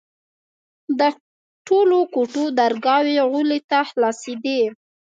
د ټولو کوټو درگاوې غولي ته خلاصېدې.